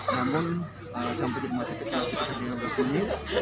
namun sampai di rumah sakit sekitar lima belas menit